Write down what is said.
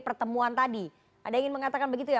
pertemuan tadi anda ingin mengatakan begitu ya